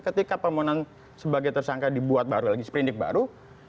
ketika permohonan sebagai tersangka dibuat baru lagi sprindik baru